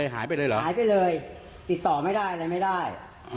หายไปเลยติดต่อไว้ได้อะไรไม่ได้